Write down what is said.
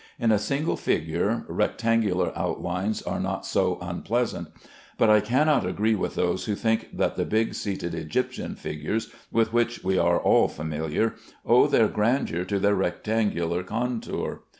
In a single figure, rectangular outlines are not so unpleasant, but I cannot agree with those who think that the big seated Egyptian figures with which we are all familiar, owe their grandeur to their rectangular contour.